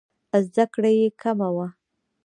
زده کړې یې کمه وه.